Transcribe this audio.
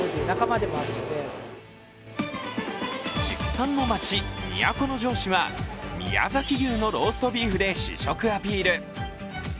畜産の町・都城市は宮崎牛のローストビーフで試食アピール。